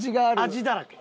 味だらけ。